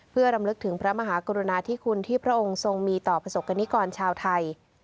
เพื่อรำลึกถึงพระมหากรุณาธิคุณที่พระองค์ทรงมีต่อประสบกรณิกรชาวไทย